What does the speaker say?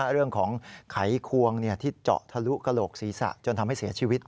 เรื่องของไขควงที่เจาะทะลุกระโหลกศีรษะจนทำให้เสียชีวิต